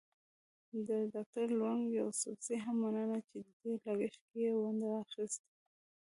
د ډاکټر لونګ يوسفزي هم مننه چې د دې لګښت کې يې ونډه اخيستې.